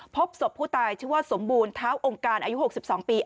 พบศพผู้ตายชื่อว่าสมบูรณ์เท้าองค์การอายุ๖๒ปี